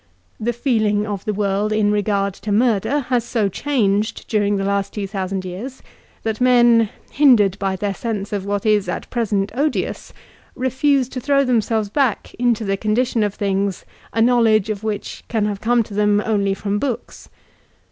The feeling of the world in regard to murder has so changed during the last two thousand years, that men, hindered by their sense of what is at present odious, refuse to throw themselves back into the condition of things, a knowledge of which can have come to them only from books.